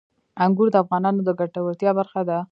انګور د افغانانو د ګټورتیا برخه ده.